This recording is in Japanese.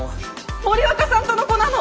森若さんとの子なの？